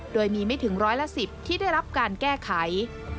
โดยมีไม่ถึงร้อยละ๑๐ที่ได้รับการแก้ไข